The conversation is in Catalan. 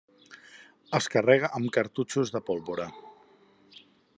Es carrega amb cartutxos de pólvora.